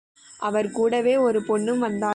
அவர் கூடவே ஒரு பெண்ணும் வந்தாள்.